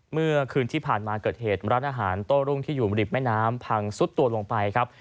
เมื่อคืนที่ผ่านมาเกิดเหตุร้านอาหารโต้รุ่งที่อยู่ริมแม่น้ำพังซุดตัวลงไปครับ